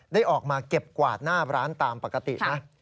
ได้ออกมาเก็บกวาดหน้าร้านตามปกตินะ